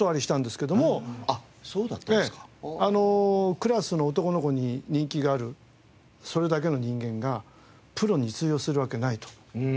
クラスの男の子に人気があるそれだけの人間がプロに通用するわけないと。